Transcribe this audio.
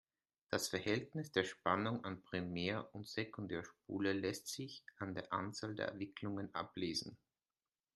Das Verhältnis der Spannung an Primär- und Sekundärspule lässt sich an der Anzahl der Wicklungen ablesen.